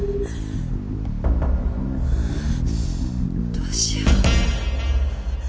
どうしよう。